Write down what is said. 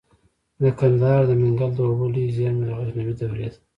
د کندهار د منگل د اوبو لوی زیرمه د غزنوي دورې ده